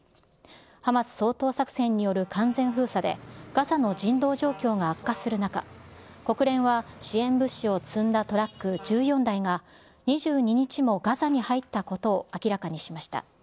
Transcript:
ハマス掃討作戦による完全封鎖で、ガザの人道状況が悪化する中、国連は支援物資を積んだトラック１４台が、２２日もガザに入ったことを明らかにしました。